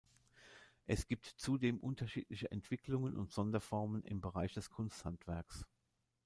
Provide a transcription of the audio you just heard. Es gibt zudem unterschiedliche Entwicklungen und Sonderformen im Bereich des Kunsthandwerks.